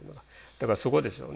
だからそこでしょうね。